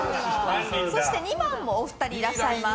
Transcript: ２番もお二人いらっしゃいます。